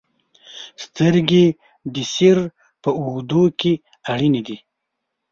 • سترګې د سیر په اوږدو کې اړینې دي.